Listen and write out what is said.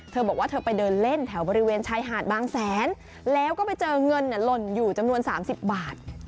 เธอบอกว่าเธอไปเดินเล่นแถวบริเวณชายหาดบางแสนแล้วก็ไปเจอเงินหล่นอยู่จำนวน๓๐บาท